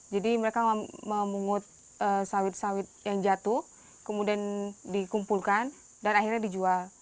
jadi mereka memungut sawit sawit yang jatuh kemudian dikumpulkan dan akhirnya dijual